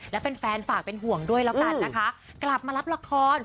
แล้วก็ได้รู้จากผลงานของพี่ชอตมาหลายเรื่องนะคะ